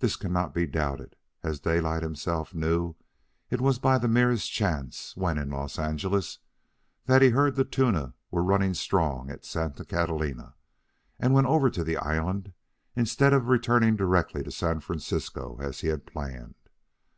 This cannot be doubted, as Daylight himself knew, it was by the merest chance, when in Los Angeles, that he heard the tuna were running strong at Santa Catalina, and went over to the island instead of returning directly to San Francisco as he had planned.